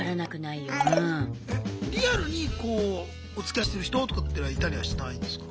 リアルにおつきあいしてる人とかってのはいたりはしないんですか？